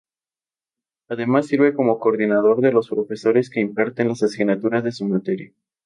Además sirve como coordinador de los profesores que imparten las asignaturas de su área.